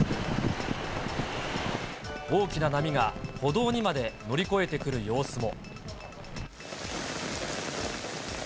大きな波が歩道にまで乗り越えてくる様子も。